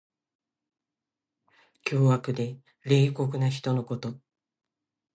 凶悪で冷酷な人のこと。